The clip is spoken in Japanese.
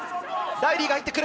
ライリーが入ってくる！